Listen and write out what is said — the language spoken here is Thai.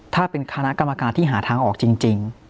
ถ้าเป็นคณะกรรมการที่หาทางออกจริง